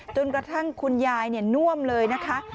จนกระทั่งคุณยายน่วมเลยนะคะ